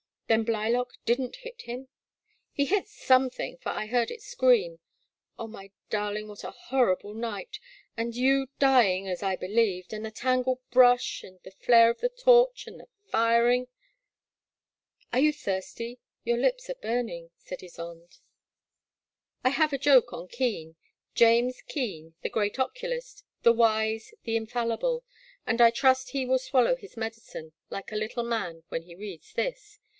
'* Then Blylock did n't hit him ?"He hit something, for I heard it scream — Oh, my darling, what a horrible night !— and you dying, as I believed, and the tangled brush, and tiie flare of the torch, and the firing "—^^*^^^^^^^^^^^^ The Black Water. 193 "Are you thirsty? — ^your lips are burning," said Ysonde. ^^^^*^^^^^^^^^^ I have a joke on Keen — James Keen, the great oculist, the wise, the infallible, — and I trust he will swallow his medicine like a little man when he reads this.